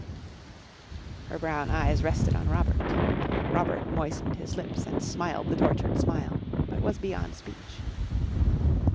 Her brown eyes rested on Robert. Robert moistened his lips and smiled the tortured smile, but was beyond speech.